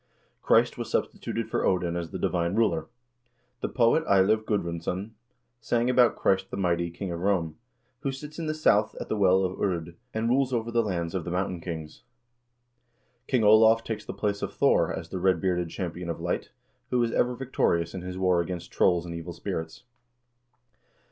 Christ was substituted for Odin as the divine ruler. The poet Eiliv Gudrunsson sang about Christ the mighty king of Rome, who sits in the South at the Well of Urd, and rules over the lands of the mountain kings. King Olav takes the place of Thor as the red bearded champion of light, who is ever victorious in his war against trolls and evil spirits.